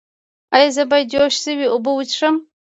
ایا زه باید جوش شوې اوبه وڅښم؟